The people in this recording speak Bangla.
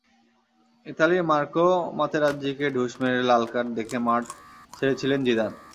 ইতালির মার্কো মাতেরাজ্জিকে ঢুস মেরে লাল কার্ড দেখে মাঠ ছেড়েছিলেন জিদান।